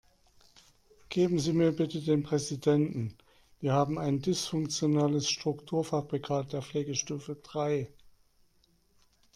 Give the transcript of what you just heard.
Geben Sie mir bitte den Präsidenten, wir haben ein dysfunktionales Strukturfabrikat der Pflegestufe drei.